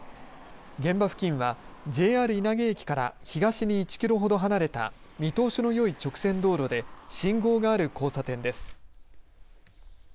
現場付近はＪＲ稲毛駅から東に１キロほど離れた見通しのよい直線道路で信号がある交差点です。